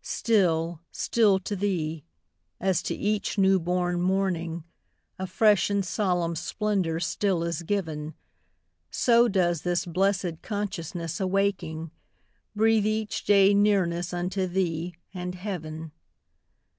Still, still to Thee, as to each new born morning, A fresh and solemn splendor still is giv'n, So does this blessed consciousness awaking, Breathe each day nearness unto Thee and heav'n.